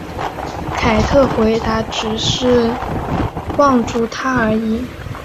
凯特回答只是望住他而已。